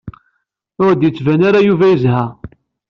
Ur d-yettban ara Yuba yezha.